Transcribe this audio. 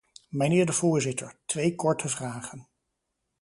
Mijnheer de voorzitter, twee korte vragen.